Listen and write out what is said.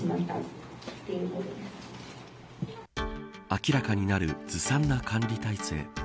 明らかになるずさんな管理体制